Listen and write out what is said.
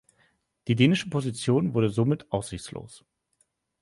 Die dänische Position wurde somit aussichtslos.